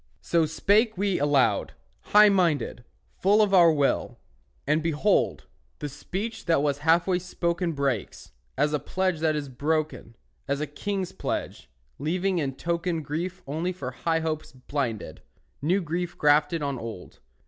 So spake we aloud, high minded, Full of our will; and behold, The speech that was halfway spoken Breaks, as a pledge that is broken, As a king's pledge, leaving in token Grief only for high hopes blinded, New grief grafted on old.